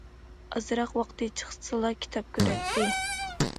ئازراق ۋاقتى چىقسىلا كىتاب كۆرەتتى.